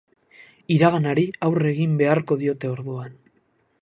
Iraganari aurre egin beharko diote orduan.